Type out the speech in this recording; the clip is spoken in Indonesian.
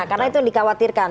karena itu yang dikhawatirkan